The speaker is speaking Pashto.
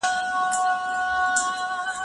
زه مړۍ خوړلي ده؟!